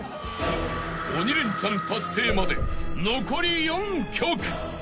［鬼レンチャン達成まで残り４曲］